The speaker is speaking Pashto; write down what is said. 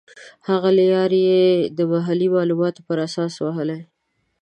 هغه لیارې یې د محلي معلوماتو پر اساس وهلې.